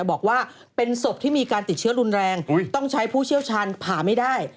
บอกว่าเป็นศพที่มีการติดเชื้อรุนแรงต้องใช้ผู้เชี่ยวชาญผ่าไม่ได้